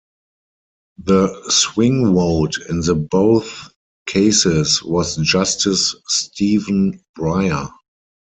The "swing vote" in the both cases was Justice Stephen Breyer.